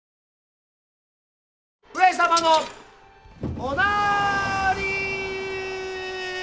・上様のおなーりー。